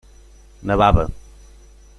Nevava.